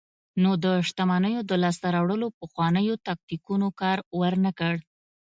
نو د شتمنیو د لاسته راوړلو پخوانیو تاکتیکونو کار ورنکړ.